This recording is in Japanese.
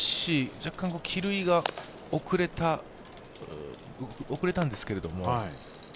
若干帰塁が遅れたんですけれども。